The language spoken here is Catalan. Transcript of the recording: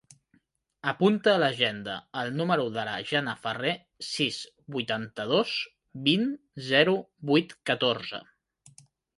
Apunta a l'agenda el número de la Jana Farre: sis, vuitanta-dos, vint, zero, vuit, catorze.